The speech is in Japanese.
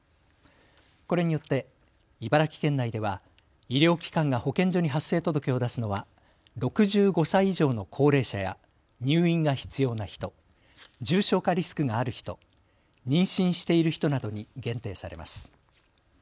これによって茨城県内では医療機関が保健所に発生届を出すのは６５歳以上の高齢者や入院が必要な人、重症化リスクがある人、妊娠している人などに限定されます。